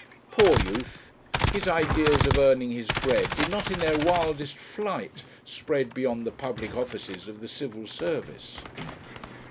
Poor youth! his ideas of earning his bread did not in their wildest flight spread beyond the public offices of the Civil Service.